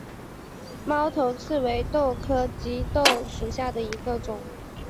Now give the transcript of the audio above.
猫头刺为豆科棘豆属下的一个种。